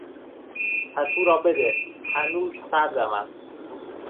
پتو را بده، هنوز سردم است.